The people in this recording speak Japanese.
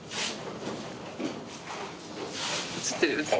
映ってる。